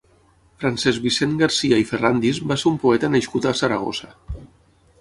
Francesc Vicent Garcia i Ferrandis va ser un poeta nascut a Saragossa.